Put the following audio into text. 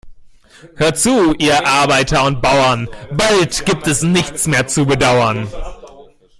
Hört zu, ihr Arbeiter und Bauern, bald gibt es nichts mehr zu bedauern.